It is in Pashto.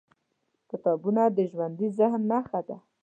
کتابونه د ژوندي ذهن نښه ده.